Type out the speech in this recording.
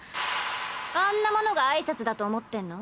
あんなものが挨拶だと思ってんの？